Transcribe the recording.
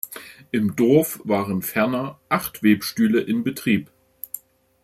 Im Dorf waren ferner acht Webstühle in Betrieb.